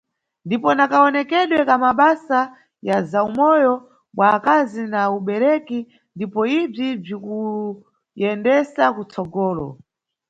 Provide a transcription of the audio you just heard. Ndipo na kawonekedwe ka mabasa ya zawumoyo bwa akazi na ubereki ndipo ibzi bzikuyendesa kutsogolo.